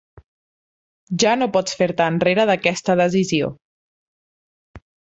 Ja no pots fer-te enrere d'aquesta decisió.